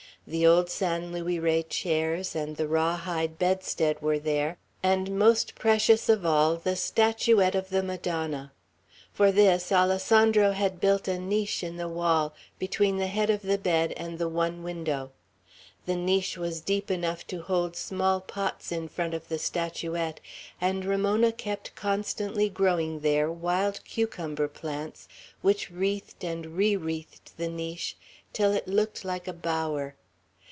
The old San Luis Rey chairs and the raw hide bedstead were there, and, most precious of all, the statuette of the Madonna. For this Alessandro had built a niche in the wall, between the head of the bed and the one window. The niche was deep enough to hold small pots in front of the statuette; and Ramona kept constantly growing there wild cucumber plants, which wreathed and re wreathed the niche till it looked like a bower.